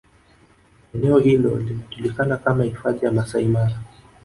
Eneeo hilo linajulikana kama Hifadhi ya Masaimara